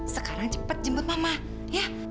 sekarang cepat jemput mama ya